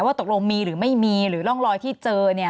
ว่าตกลงมีหรือไม่มีหรือร่องรอยที่เจอ